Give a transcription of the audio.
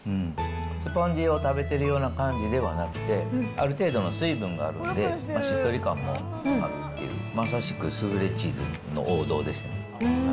スポンジを食べてるような感じではなくて、ある程度の水分があるんで、しっとり感もあるっていう、まさしくスフレチーズの王道ですね。